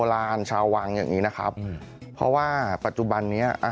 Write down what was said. ข้างบัวแห่งสันยินดีต้อนรับทุกท่านนะครับ